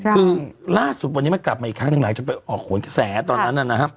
คือล่าสุดวันนี้มันกลับมาอีกครั้งหนึ่งหลังจากไปออกโหนกระแสตอนนั้นนะครับ